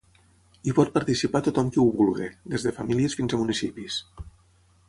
Hi pot participar tothom qui ho vulgui, des de famílies fins a municipis.